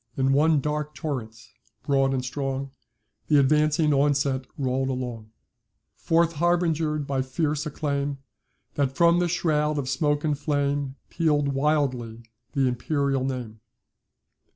In one dark torrent, broad and strong, The advancing onset roll'd along, Forth harbinger'd by fierce acclaim, That, from the shroud of smoke and flame, Peal'd wildly the imperial name.